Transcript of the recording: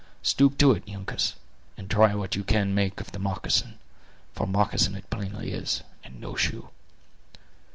Stoop to it, Uncas, and try what you can make of the moccasin; for moccasin it plainly is, and no shoe."